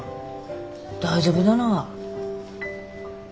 大丈夫だなが？